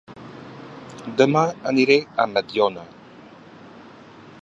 Dema aniré a Mediona